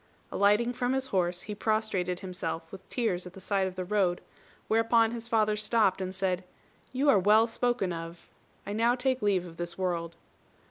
Alighting from his horse, he prostrated himself with tears at the side of the road; whereupon his father stopped and said, "You are well spoken of. I now take leave of this world."